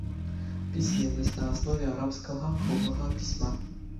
Пісьменнасць на аснове арабскага круглага пісьма.